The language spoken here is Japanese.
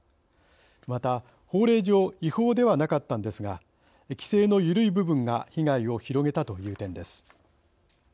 また、法令上違法ではなかったのですが規制の緩い部分が被害を広げたという点です。